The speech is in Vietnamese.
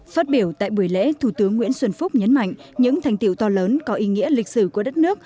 phát biểu tại buổi lễ thủ tướng nguyễn xuân phúc nhấn mạnh những thành tiệu to lớn có ý nghĩa lịch sử của đất nước